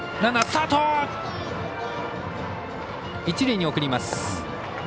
一塁に送ります。